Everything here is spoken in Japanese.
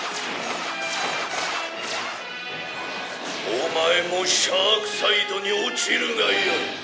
「オマエもシャークサイドに落ちるがよい」